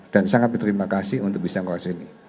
dan sangat berterima kasih untuk bisa menguasai ini